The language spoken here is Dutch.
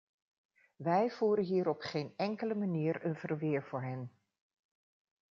Wij voeren hier op geen enkele manier een verweer voor hen.